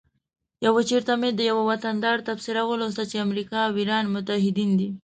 یو چیرته مې د یوه وطندار تبصره ولوسته چې امریکا او ایران متعهدین دي